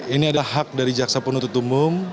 ini adalah hak dari jaksa penuntut umum